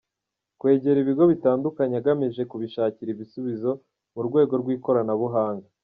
Kwegera ibigo bitandukanye agamije kubishakira ibisubizo mu rwego rw’ikorana buhanga.